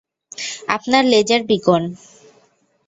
আপনার laser Beacon!